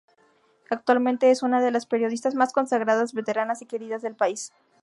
Actualmente es una de las periodistas más consagradas veteranas y queridas del país.